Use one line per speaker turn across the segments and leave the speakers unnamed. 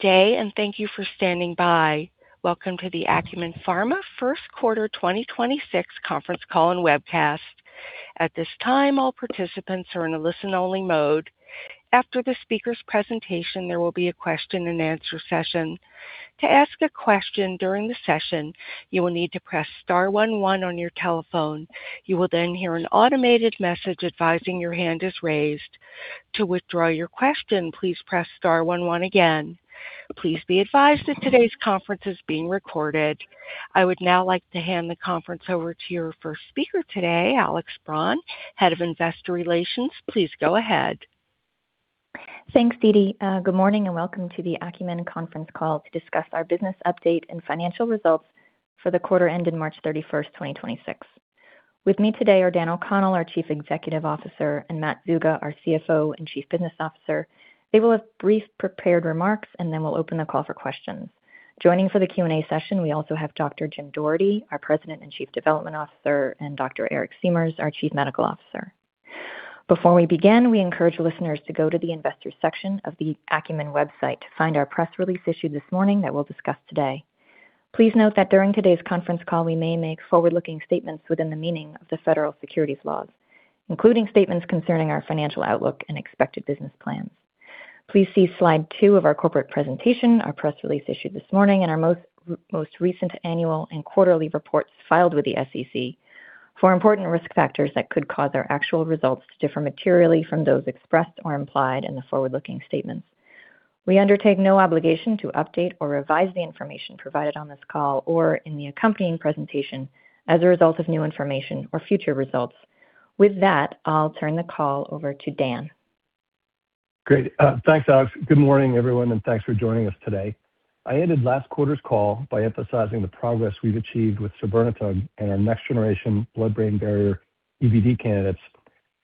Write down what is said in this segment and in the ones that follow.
Good day and thank you for standing by. Welcome to the Acumen Pharmaceuticals First Quarter 2026 conference call and webcast. At this time, all participants are in a listen-only mode. After the speaker's presentation, there will be a question and answer session. To ask a question during the session, you'll need to press star one one on your telephone. You will then hear an automated message advising your hand is raised. To withdraw your question, please press star one one again. Please be advised that today's conference is being recorded. I would now like to hand the conference over to your first speaker today, Alex Braun, Head of Investor Relations. Please go ahead.
Thanks, Deedee. Good morning and welcome to the Acumen conference call to discuss our business update and financial results for the quarter ending March 31st, 2026. With me today are Daniel O'Connell, our Chief Executive Officer, and Matt Zuga, our CFO and Chief Business Officer. They will have brief prepared remarks, and then we'll open the call for questions. Joining for the Q&A session, we also have Dr. Jim Doherty, our President and Chief Development Officer, and Dr. Eric Siemers, our Chief Medical Officer. Before we begin, we encourage listeners to go to the Investors section of the Acumen website to find our press release issued this morning that we'll discuss today. Please note that during today's conference call, we may make forward-looking statements within the meaning of the federal securities laws, including statements concerning our financial outlook and expected business plans. Please see Slide 2 of our corporate presentation, our press release issued this morning and our most recent annual and quarterly reports filed with the SEC for important risk factors that could cause our actual results to differ materially from those expressed or implied in the forward-looking statements. We undertake no obligation to update or revise the information provided on this call or in the accompanying presentation as a result of new information or future results. With that, I'll turn the call over to Dan.
Great. Thanks, Alex. Good morning, everyone, and thanks for joining us today. I ended last quarter's call by emphasizing the progress we've achieved with sabirnetug and our next-generation blood-brain barrier EBD candidates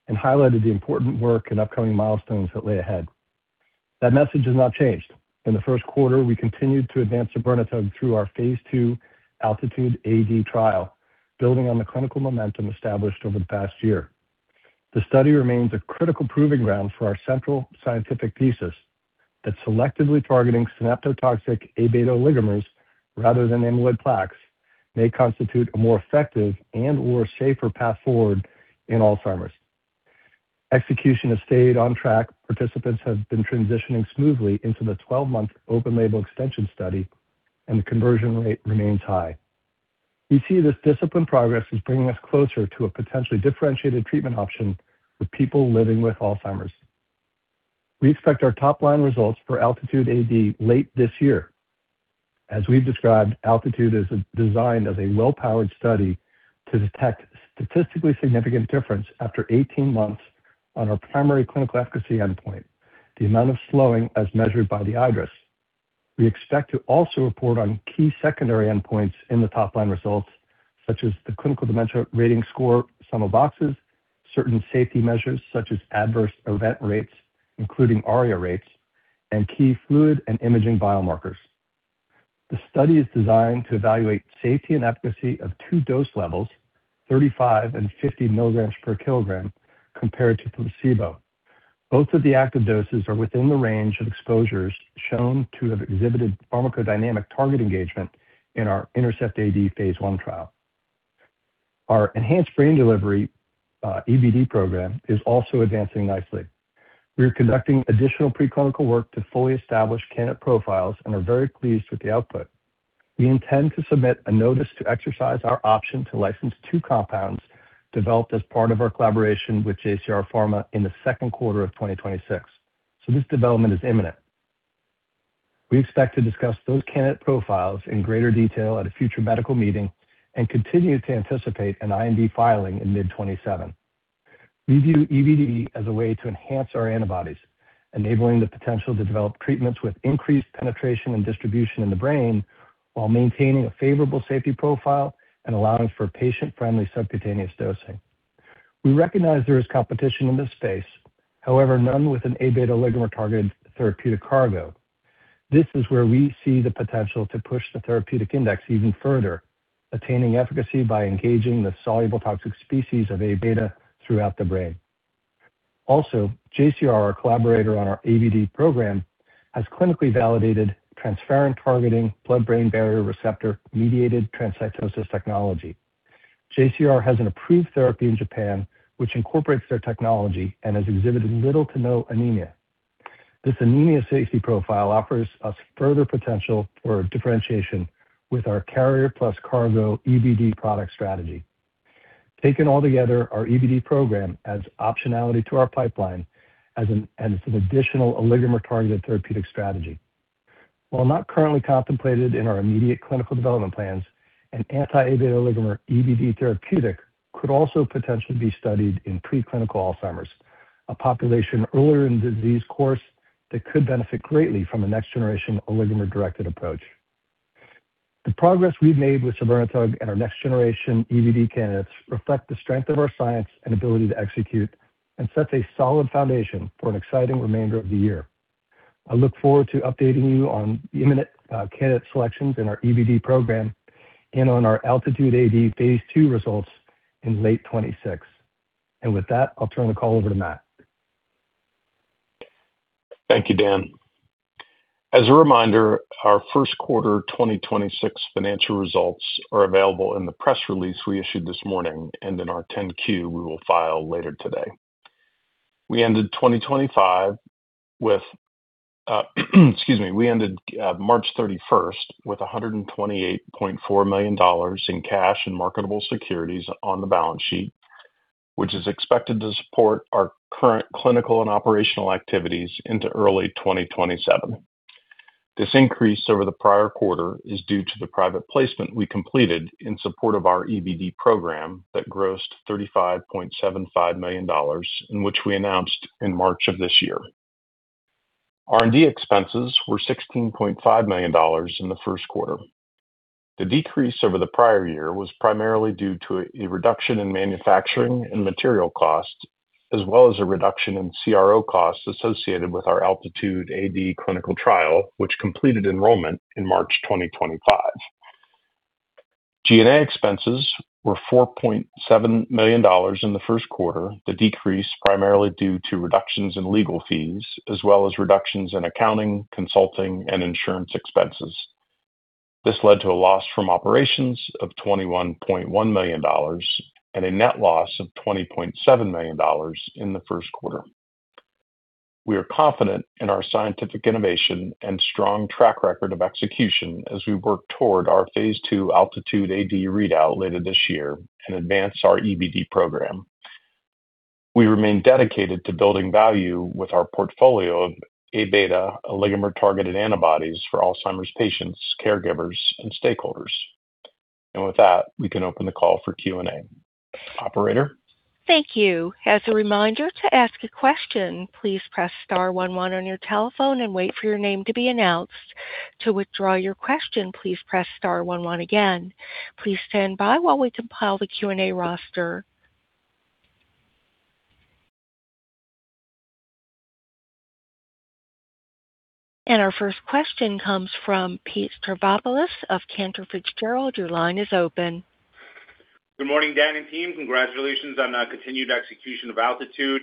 and highlighted the important work and upcoming milestones that lay ahead. That message has not changed. In the first quarter, we continued to advance sabirnetug through our phase II ALTITUDE-ad trial, building on the clinical momentum established over the past year. The study remains a critical proving ground for our central scientific thesis that selectively targeting synaptotoxic Abeta oligomers rather than amyloid plaques may constitute a more effective and/or safer path forward in Alzheimer's. Execution has stayed on track. Participants have been transitioning smoothly into the 12-month open label extension study, and the conversion rate remains high. We see this disciplined progress as bringing us closer to a potentially differentiated treatment option for people living with Alzheimer's. We expect our top-line results for ALTITUDE-ad late this year. As we've described, ALTITUDE is designed as a low-powered study to detect statistically significant difference after 18 months on our primary clinical efficacy endpoint, the amount of slowing as measured by the iADRS. We expect to also report on key secondary endpoints in the top-line results, such as the Clinical Dementia Rating score, Sum of Boxes, certain safety measures such as adverse event rates, including ARIA rates, and key fluid and imaging biomarkers. The study is designed to evaluate safety and efficacy of two dose levels, 35 mg/kg and 50 mg/kg compared to placebo. Both of the active doses are within the range of exposures shown to have exhibited pharmacodynamic target engagement in our INTERCEPT-AD phase I trial. Our enhanced brain delivery, EBD program is also advancing nicely. We are conducting additional preclinical work to fully establish candidate profiles and are very pleased with the output. We intend to submit a notice to exercise our option to license two compounds developed as part of our collaboration with JCR Pharma in the second quarter of 2026. This development is imminent. We expect to discuss those candidate profiles in greater detail at a future medical meeting and continue to anticipate an IND filing in mid 2027. We view EBD as a way to enhance our antibodies, enabling the potential to develop treatments with increased penetration and distribution in the brain while maintaining a favorable safety profile and allowing for patient-friendly subcutaneous dosing. We recognize there is competition in this space. None with an Abeta oligomer-targeted therapeutic cargo. This is where we see the potential to push the therapeutic index even further, attaining efficacy by engaging the soluble toxic species of Abeta throughout the brain. JCR, our collaborator on our EBD program, has clinically validated transferrin targeting blood-brain barrier receptor-mediated transcytosis technology. JCR has an approved therapy in Japan which incorporates their technology and has exhibited little to no anemia. This anemia safety profile offers us further potential for differentiation with our carrier plus cargo EBD product strategy. Taken altogether, our EBD program adds optionality to our pipeline as an additional oligomer-targeted therapeutic strategy. While not currently contemplated in our immediate clinical development plans, an anti-Abeta oligomer EBD therapeutic could also potentially be studied in preclinical Alzheimer's, a population earlier in disease course that could benefit greatly from a next-generation oligomer-directed approach. The progress we've made with sabirnetug and our next-generation EBD candidates reflect the strength of our science and ability to execute and sets a solid foundation for an exciting remainder of the year. I look forward to updating you on the imminent candidate selections in our EBD program and on our ALTITUDE-ad phase II results in late 2026. With that, I'll turn the call over to Matt.
Thank you, Dan. As a reminder, our first quarter 2026 financial results are available in the press release we issued this morning and in our 10-Q we will file later today. We ended 2025 with, excuse me. We ended March 31st with $128.4 million in cash and marketable securities on the balance sheet, which is expected to support our current clinical and operational activities into early 2027. This increase over the prior quarter is due to the private placement we completed in support of our EBD program that grossed $35.75 million, and which we announced in March of this year. R&D expenses were $16.5 million in the first quarter. The decrease over the prior year was primarily due to a reduction in manufacturing and material costs, as well as a reduction in CRO costs associated with our ALTITUDE-ad clinical trial, which completed enrollment in March 2025. G&A expenses were $4.7 million in the first quarter. The decrease primarily due to reductions in legal fees, as well as reductions in accounting, consulting, and insurance expenses. This led to a loss from operations of $21.1 million and a net loss of $20.7 million in the first quarter. We are confident in our scientific innovation and strong track record of execution as we work toward our phase II ALTITUDE-ad readout later this year and advance our EBD program. We remain dedicated to building value with our portfolio of Abeta oligomer-targeted antibodies for Alzheimer's patients, caregivers, and stakeholders. With that, we can open the call for Q&A. Operator?
Thank you. As a reminder to ask a question, please press star one one on your telephone and wait for your name to be announced. To withdraw your question, please press star one one again. Please stand by while we compile the Q&A roster. Our first question comes from Pete Stavropoulos of Cantor Fitzgerald. Your line is open.
Good morning, Dan and team. Congratulations on continued execution of ALTITUDE.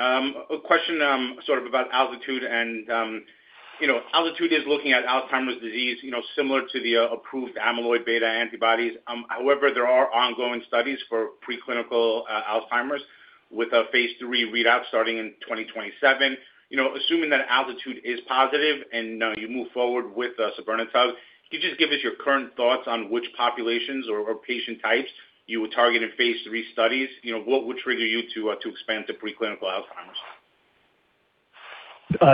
A question about ALTITUDE and, you know, ALTITUDE is looking at Alzheimer's disease, you know, similar to the approved amyloid-beta antibodies. However, there are ongoing studies for preclinical Alzheimer's with a phase III readout starting in 2027. You know, assuming that ALTITUDE is positive and you move forward with sabirnetug, could you just give us your current thoughts on which populations or patient types you would target in phase III studies? You know, what would trigger you to expand to preclinical Alzheimer's?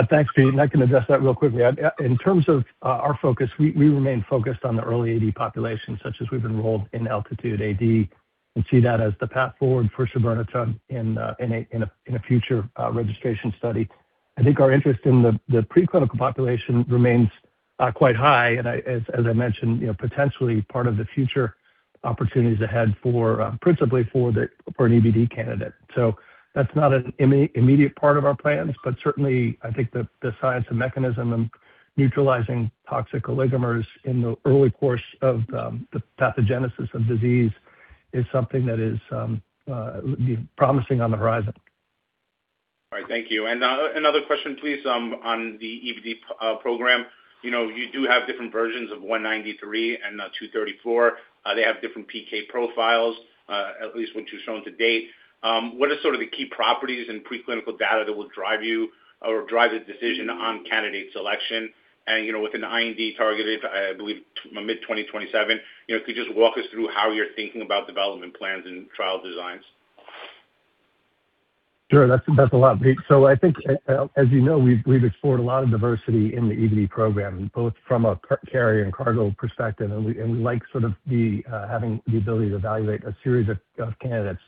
Thanks, Pete. I can address that real quickly. In terms of our focus, we remain focused on the early AD population such as we've enrolled in ALTITUDE-ad and see that as the path forward for sabirnetug in a future registration study. I think our interest in the preclinical population remains quite high. As I mentioned, you know, potentially part of the future opportunities ahead for principally for an EBD candidate. That's not an immediate part of our plans, but certainly I think the science and mechanism in neutralizing toxic oligomers in the early course of the pathogenesis of disease is something that is promising on the horizon.
All right. Thank you. Another question please on the EBD program. You know, you do have different versions of 193 and 234. They have different PK profiles, at least what you've shown to date. What are sort of the key properties and preclinical data that will drive you or drive the decision on candidate selection? You know, with an IND targeted, I believe mid 2027, you know, could you just walk us through how you're thinking about development plans and trial designs?
Sure. That's a lot, Pete. I think, as you know, we've explored a lot of diversity in the EBD program, both from a carrier and cargo perspective. We like sort of the having the ability to evaluate a series of candidates.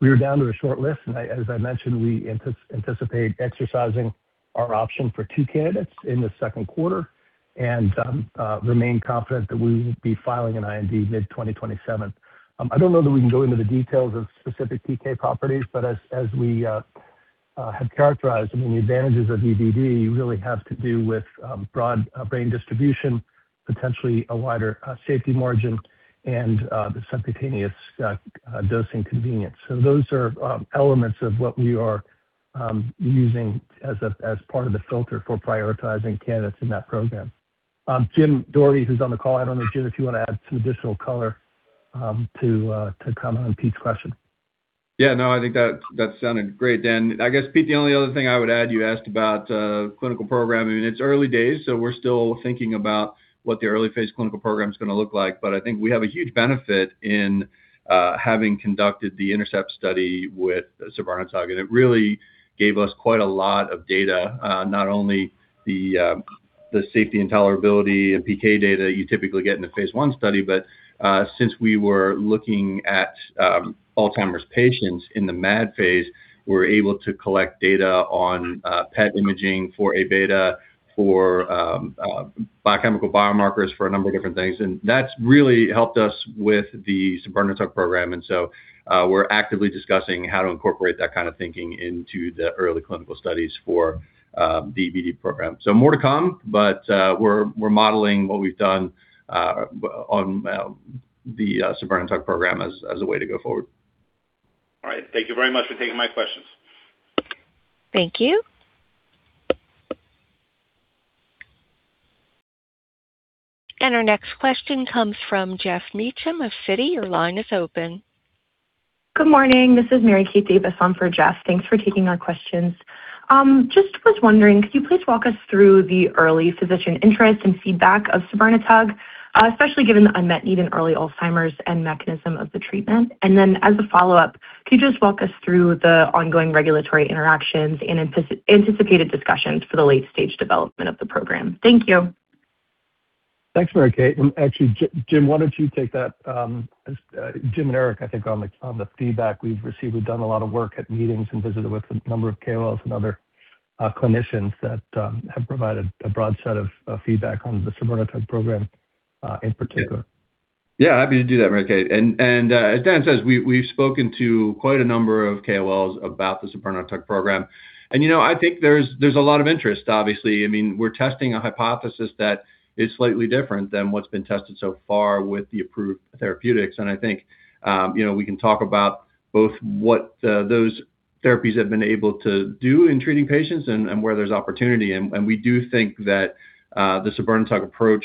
We are down to a shortlist, as I mentioned, we anticipate exercising our option for two candidates in the second quarter and remain confident that we will be filing an IND mid 2027. I don't know that we can go into the details of specific PK properties, but as we have characterized, I mean, the advantages of EBD really have to do with broad brain distribution, potentially a wider safety margin and the subcutaneous dosing convenience. Those are elements of what we are using as part of the filter for prioritizing candidates in that program. Jim Doherty, who's on the call, I don't know, Jim, if you wanna add some additional color to comment on Pete's question.
I think that sounded great, Dan. I guess, Pete, the only other thing I would add, you asked about clinical programming. I mean, it's early days, we're still thinking about what the early phase clinical program's gonna look like. I think we have a huge benefit in having conducted the INTERCEPT-AD study with sabirnetug. It really gave us quite a lot of data, not only the safety and tolerability and PK data you typically get in the phase I study, but since we were looking at Alzheimer's patients in the MAD phase, we were able to collect data on PET imaging for Abeta, for biochemical biomarkers for a number of different things. That's really helped us with the sabirnetug program. We're actively discussing how to incorporate that kind of thinking into the early clinical studies for the EBD program. More to come, but we're modeling what we've done on the sabirnetug program as a way to go forward.
All right. Thank you very much for taking my questions.
Thank you. Our next question comes from Geoff Meacham of Citi. Your line is open.
Good morning. This is Mary Kate Davis on for Geoff. Thanks for taking our questions. Just was wondering, could you please walk us through the early physician interest and feedback of sabirnetug, especially given the unmet need in early Alzheimer's and mechanism of the treatment? As a follow-up, can you just walk us through the ongoing regulatory interactions and anticipated discussions for the late-stage development of the program? Thank you.
Thanks, Mary Kate. Actually, Jim, why don't you take that. As Jim and Eric, I think on the feedback we've received, we've done a lot of work at meetings and visited with a number of KOLs and other clinicians that have provided a broad set of feedback on the sabirnetug program in particular.
Yeah, happy to do that, Mary-Kate. As Dan says, we've spoken to quite a number of KOLs about the sabirnetug program. You know, I think there's a lot of interest, obviously. I mean, we're testing a hypothesis that is slightly different than what's been tested so far with the approved therapeutics. You know, we can talk about both what those therapies have been able to do in treating patients and where there's opportunity. We do think that the sabirnetug approach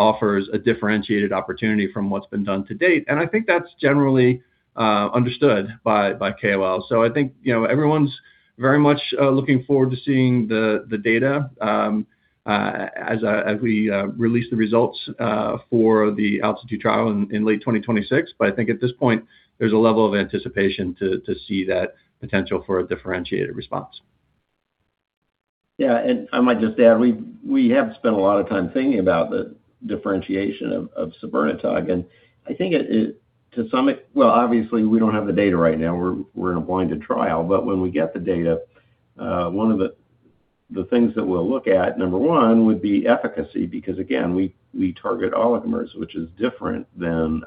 offers a differentiated opportunity from what's been done to date. That's generally understood by KOLs. I think, you know, everyone's very much looking forward to seeing the data as we release the results for the ALTITUDE trial in late 2026. I think at this point, there's a level of anticipation to see that potential for a differentiated response.
Yeah. I might just add, we have spent a lot of time thinking about the differentiation of sabirnetug. I think it, well, obviously, we don't have the data right now. We're in a blinded trial. When we get the data, one of the things that we'll look at, number one, would be efficacy because, again, we target oligomers, which is different than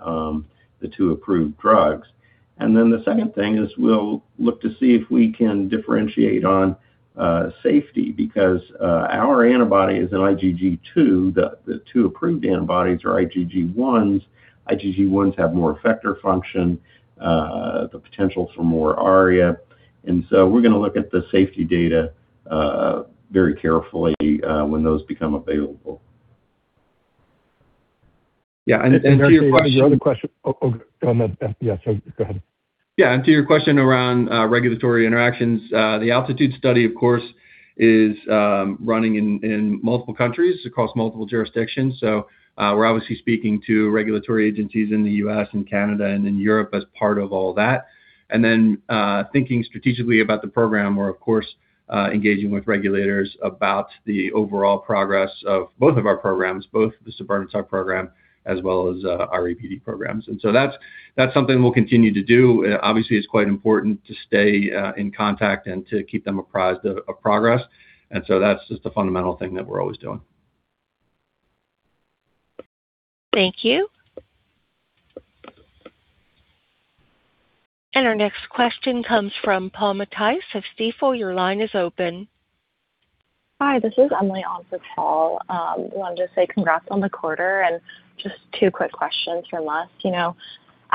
the two approved drugs. The second thing is we'll look to see if we can differentiate on safety because our antibody is an IgG2. The two approved antibodies are IgG1s. IgG1s have more effector function, the potential for more ARIA. We're gonna look at the safety data very carefully when those become available. Actually, the other question on that. Yeah. Go ahead.
To your question around regulatory interactions, the ALTITUDE study, of course, is running in multiple countries across multiple jurisdictions. We're obviously speaking to regulatory agencies in the U.S. and Canada and in Europe as part of all that. Thinking strategically about the program, we're of course engaging with regulators about the overall progress of both of our programs, both the sabirnetug program as well as our AD programs. That's something we'll continue to do. Obviously, it's quite important to stay in contact and to keep them apprised of progress. That's just a fundamental thing that we're always doing.
Thank you. Our next question comes from Paul Matteis of Stifel. Your line is open.
Hi. This is Emily on for Paul. I wanted to say congrats on the quarter and just two quick questions from us.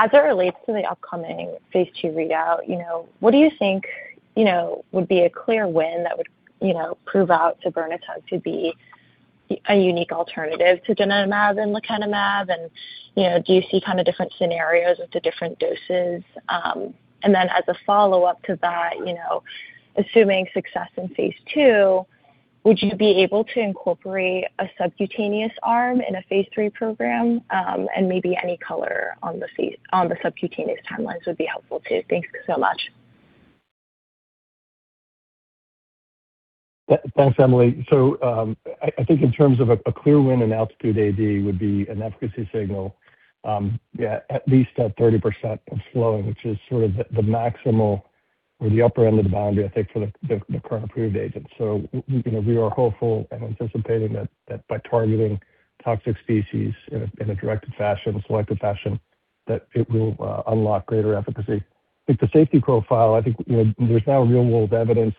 As it relates to the upcoming phase II readout, what do you think would be a clear win that would prove out sabirnetug to be a unique alternative to aducanumab and lecanemab? Do you see kinda different scenarios with the different doses? As a follow-up to that, assuming success in phase II, would you be able to incorporate a subcutaneous arm in a phase III program? Maybe any color on the subcutaneous timelines would be helpful too. Thanks so much.
Thanks, Emily. I think in terms of a clear win in ALTITUDE-ad would be an efficacy signal, at least at 30% of slowing, which is sort of the maximal or the upper end of the boundary, I think, for the current approved agents. You know, we are hopeful and anticipating that by targeting toxic species in a directed fashion, selective fashion, that it will unlock greater efficacy. I think the safety profile, I think, you know, there's now real-world evidence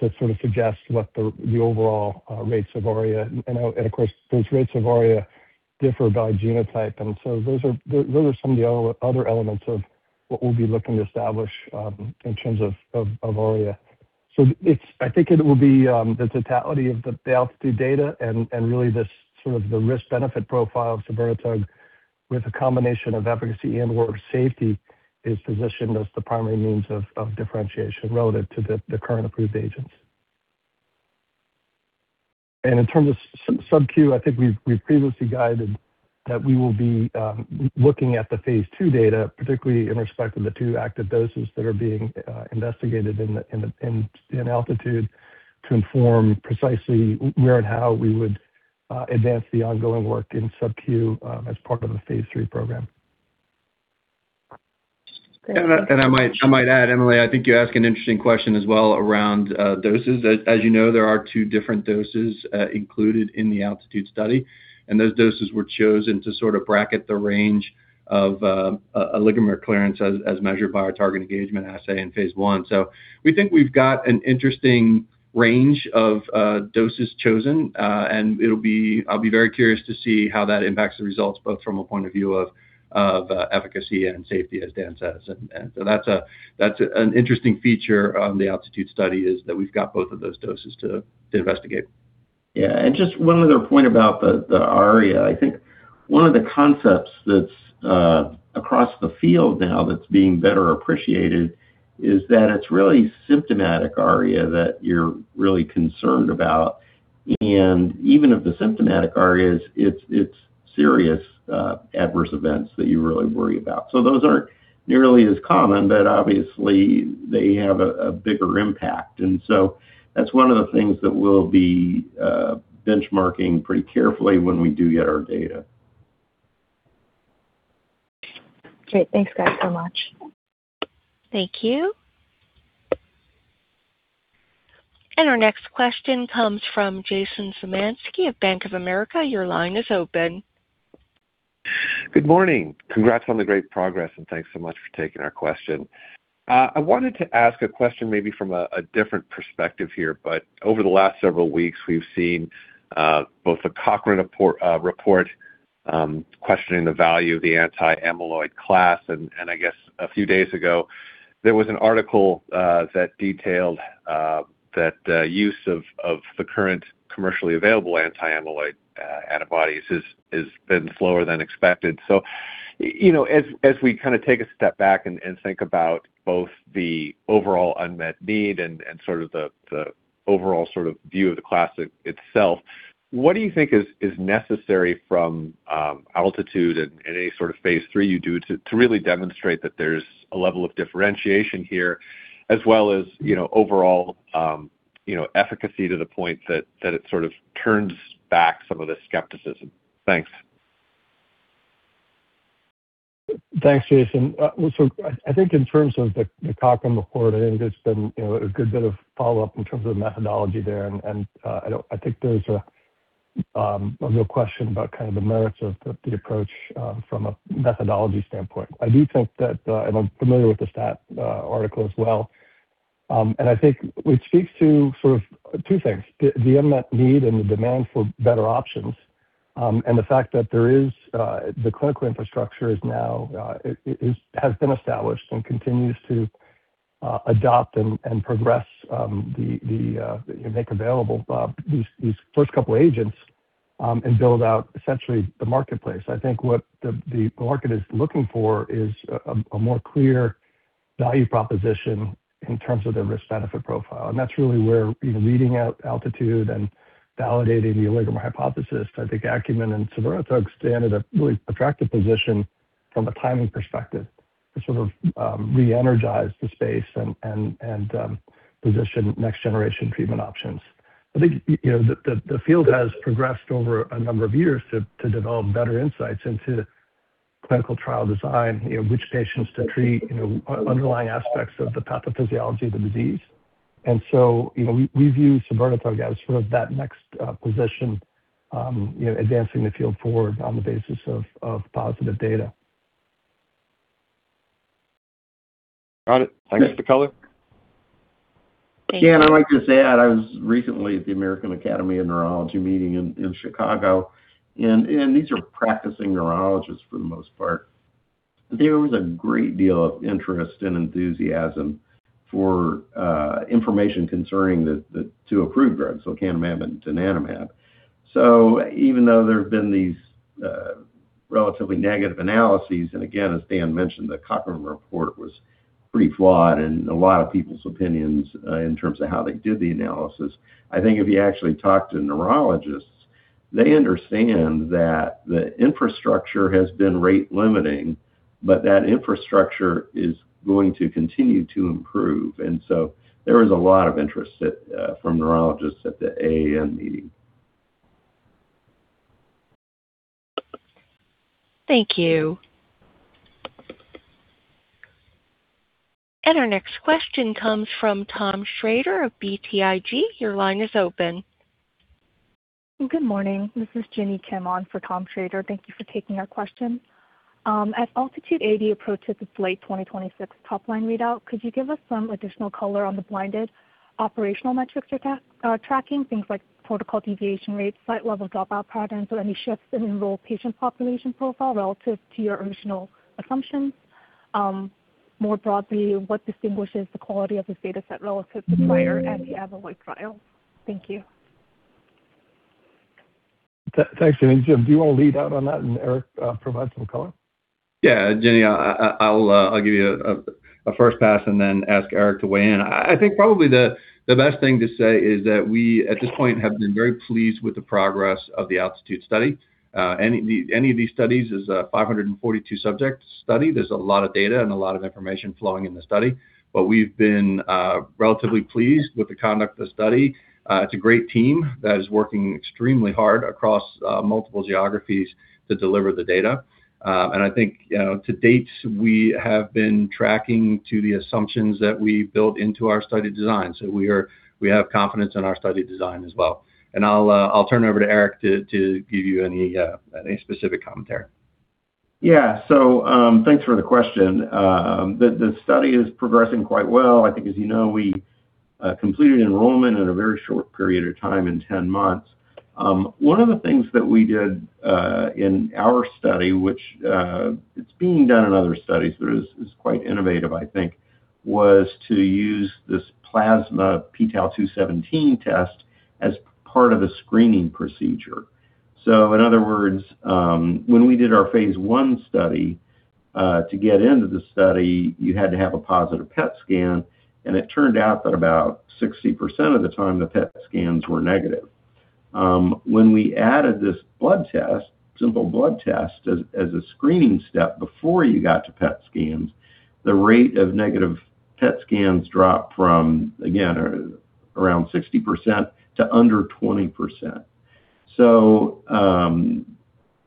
to sort of suggest what the overall rates of ARIA. Of course, those rates of ARIA differ by genotype. Those are some of the other elements of what we'll be looking to establish in terms of ARIA. I think it will be the totality of the ALTITUDE-ad data and really this sort of the risk-benefit profile of sabirnetug with a combination of efficacy and/or safety is positioned as the primary means of differentiation relative to the current approved agents. In terms of subcu, I think we've previously guided that we will be looking at the phase II data, particularly in respect of the 2 active doses that are being investigated in ALTITUDE to inform precisely where and how we would advance the ongoing work in subcu as part of the phase III program.
Thank you.
I might add, Emily, I think you ask an interesting question as well around doses. As you know, there are two different doses included in the ALTITUDE study, and those doses were chosen to sort of bracket the range of oligomer clearance as measured by our target engagement assay in phase I. We think we've got an interesting range of doses chosen, and I'll be very curious to see how that impacts the results, both from a point of view of efficacy and safety, as Dan says. That's an interesting feature on the ALTITUDE study, is that we've got both of those doses to investigate.
Yeah, just one other point about the ARIA. I think one of the concepts that's across the field now that's being better appreciated is that it's really symptomatic ARIA that you're really concerned about. Even of the symptomatic ARIAs, it's serious adverse events that you really worry about. Those aren't nearly as common, but obviously they have a bigger impact. That's one of the things that we'll be benchmarking pretty carefully when we do get our data.
Great. Thanks, guys, so much.
Thank you. Our next question comes from Jason Zemansky of Bank of America. Your line is open.
Good morning. Congrats on the great progress, and thanks so much for taking our question. I wanted to ask a question maybe from a different perspective here, but over the last several weeks, we've seen both the Cochrane report questioning the value of the anti-amyloid class. I guess a few days ago, there was an article that detailed that use of the current commercially available anti-amyloid antibodies has been slower than expected. You know, as we kinda take a step back and think about both the overall unmet need and sort of the overall sort of view of the class itself, what do you think is necessary from ALTITUDE and any sort of phase III you do to really demonstrate that there's a level of differentiation here as well as, you know, overall, you know, efficacy to the point that it sort of turns back some of the skepticism? Thanks.
Thanks, Jason. I think in terms of the Cochrane report, I think there's been, you know, a good bit of follow-up in terms of the methodology there. I think there's a real question about kind of the merits of the approach from a methodology standpoint. I do think that, I'm familiar with the STAT article as well. I think it speaks to sort of two things, the unmet need and the demand for better options, and the fact that the clinical infrastructure is now established and continues to adopt and progress, the make available these first couple agents, and build out essentially the marketplace. I think what the market is looking for is a more clear value proposition in terms of their risk-benefit profile. That's really where, you know, leading ALTITUDE-ad and validating the oligomer hypothesis. I think Acumen and sabirnetug stand at a really attractive position from a timing perspective to sort of re-energize the space and position next generation treatment options. I think, you know, the field has progressed over a number of years to develop better insights into clinical trial design, you know, which patients to treat, underlying aspects of the pathophysiology of the disease. You know, we view sabirnetug as sort of that next position, you know, advancing the field forward on the basis of positive data.
Got it. Thanks for the color.
Thank you.
Yeah. I'd like to add, I was recently at the American Academy of Neurology meeting in Chicago, and these are practicing neurologists for the most part. There was a great deal of interest and enthusiasm for information concerning the two approved drugs, lecanemab and donanemab. Even though there have been these relatively negative analyses, and again, as Dan mentioned, the Cochrane report was pretty flawed in a lot of people's opinions in terms of how they did the analysis. I think if you actually talk to neurologists, they understand that the infrastructure has been rate-limiting, that infrastructure is going to continue to improve. There was a lot of interest at from neurologists at the AAN meeting.
Thank you. Our next question comes from Thomas Shrader of BTIG. Your line is open.
Good morning. This is Jenny Kim on for Thomas Shrader. Thank you for taking our question. As ALTITUDE-ad approaches its late 2026 top line readout, could you give us some additional color on the blinded operational metrics you're tracking, things like protocol deviation rates, site-level dropout patterns, or any shifts in enrolled patient population profile relative to your original assumptions? More broadly, what distinguishes the quality of this data set relative to prior anti-amyloid trials? Thank you.
Thanks, Jenny. Jim, do you wanna lead out on that and Eric provide some color?
Yeah, Jenny, I'll give you a first pass and then ask Eric to weigh in. I think probably the best thing to say is that we, at this point, have been very pleased with the progress of the ALTITUDE-ad study. Any of these studies is a 542 subject study. There's a lot of data and a lot of information flowing in the study. We've been relatively pleased with the conduct of the study. It's a great team that is working extremely hard across multiple geographies to deliver the data. I think, you know, to date, we have been tracking to the assumptions that we built into our study design. We have confidence in our study design as well. I'll turn it over to Eric to give you any specific commentary. Thanks for the question. The study is progressing quite well. I think, as you know, we completed enrollment in a very short period of time, in 10 months. One of the things that we did in our study, which it's being done in other studies, but it's quite innovative, I think, was to use this plasma p-tau217 test as part of a screening procedure. In other words, when we did our phase I study, to get into the study, you had to have a positive PET scan, and it turned out that about 60% of the time, the PET scans were negative. When we added this blood test, simple blood test as a screening step before you got to PET scans, the rate of negative PET scans dropped from, again, around 60% to under 20%.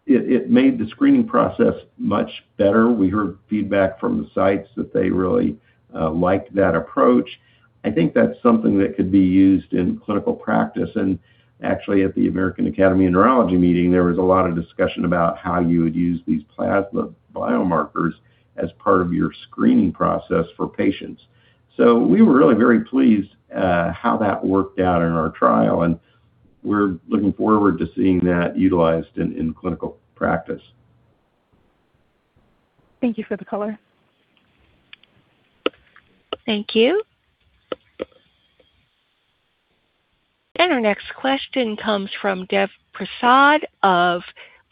It made the screening process much better. We heard feedback from the sites that they really liked that approach. I think that's something that could be used in clinical practice. Actually, at the American Academy of Neurology meeting, there was a lot of discussion about how you would use these plasma biomarkers as part of your screening process for patients. We were really very pleased at how that worked out in our trial, and we're looking forward to seeing that utilized in clinical practice.
Thank you for the color.
Thank you. Our next question comes from Dev Prasad of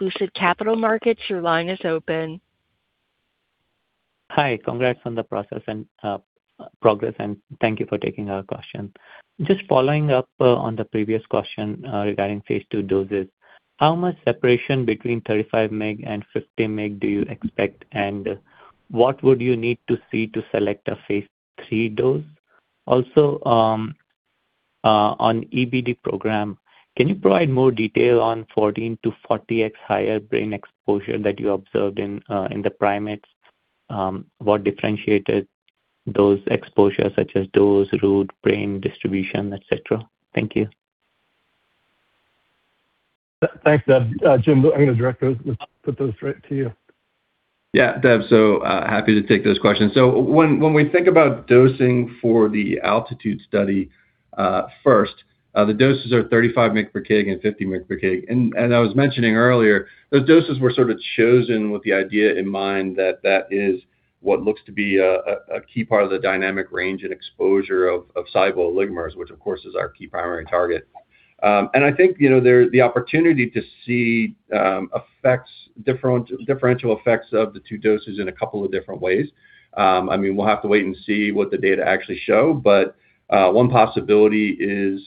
Lucid Capital Markets. Your line is open.
Hi. Congrats on the process and progress, thank you for taking our question. Just following up on the previous question regarding phase II doses. How much separation between 35 mg and 50 mg do you expect, and what would you need to see to select a phase III dose? Also, on EBD program, can you provide more detail on 14x to 40x higher brain exposure that you observed in the primates? What differentiated those exposures such as dose, route, brain distribution, et cetera? Thank you.
Thanks, Dev. Jim, I'm gonna direct those, put those right to you.
Dev, happy to take those questions. When we think about dosing for the ALTITUDE study, first, the doses are 35 mg per kg and 50 mg per kg. I was mentioning earlier, those doses were sort of chosen with the idea in mind that that is what looks to be a key part of the dynamic range and exposure of soluble oligomers, which of course is our key primary target. I think, you know, there's the opportunity to see differential effects of the two doses in a couple of different ways. I mean, we'll have to wait and see what the data actually show, but one possibility is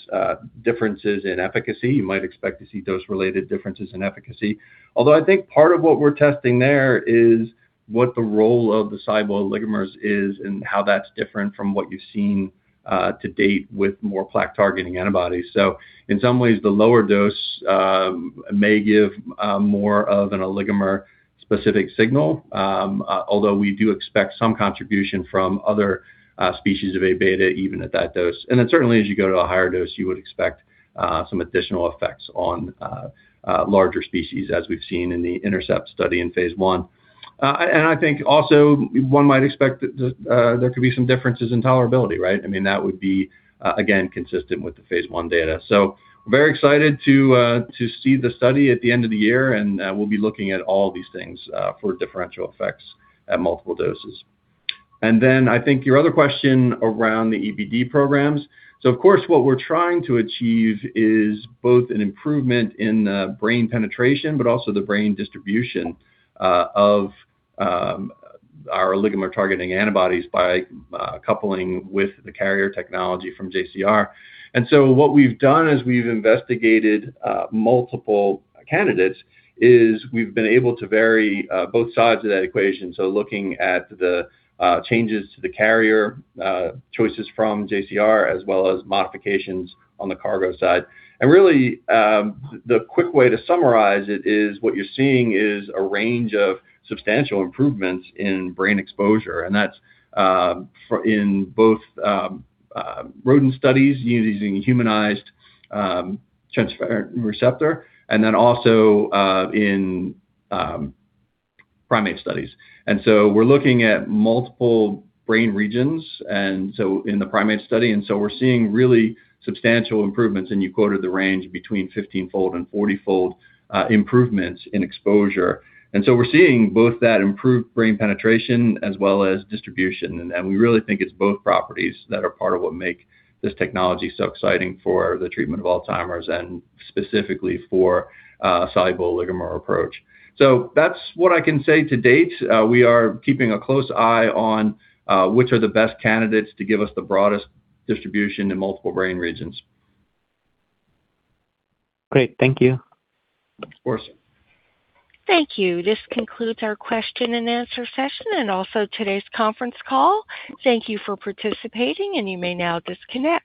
differences in efficacy. You might expect to see dose-related differences in efficacy. I think part of what we're testing there is what the role of the soluble oligomers is and how that's different from what you've seen to date with more plaque-targeting antibodies. In some ways, the lower dose may give more of an oligomer-specific signal, although we do expect some contribution from other species of Abeta even at that dose. Certainly as you go to a higher dose, you would expect some additional effects on larger species, as we've seen in the INTERCEPT-AD study in phase I. I think also one might expect that there could be some differences in tolerability, right? I mean, that would be again, consistent with the phase I data. We're very excited to see the study at the end of the year. We'll be looking at all these things for differential effects at multiple doses. I think your other question around the EBD programs. Of course, what we're trying to achieve is both an improvement in brain penetration but also the brain distribution of our oligomer-targeting antibodies by coupling with the carrier technology from JCR. What we've done is we've investigated multiple candidates, is we've been able to vary both sides of that equation, looking at the changes to the carrier choices from JCR as well as modifications on the cargo side. Really, the quick way to summarize it is what you're seeing is a range of substantial improvements in brain exposure, and that's for in both rodent studies using humanized transferrin receptor and then also in primate studies. We're looking at multiple brain regions in the primate study, we're seeing really substantial improvements, and you quoted the range between 15-fold and 40-fold improvements in exposure. We're seeing both that improved brain penetration as well as distribution, and we really think it's both properties that are part of what make this technology so exciting for the treatment of Alzheimer's and specifically for a soluble oligomer approach. That's what I can say to date. We are keeping a close eye on which are the best candidates to give us the broadest distribution in multiple brain regions.
Great. Thank you.
Of course.
Thank you. This concludes our question and answer session and also today's conference call. Thank you for participating, and you may now disconnect.